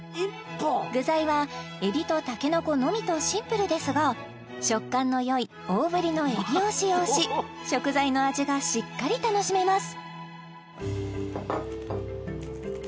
具材はエビとタケノコのみとシンプルですが食感のよい大ぶりのエビを使用し食材の味がしっかり楽しめます